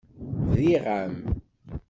Briɣ-am.